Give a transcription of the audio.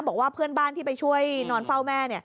บอกว่าเพื่อนบ้านที่ไปช่วยนอนเฝ้าแม่